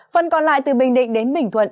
phần còn lại từ bình định đến bình thuận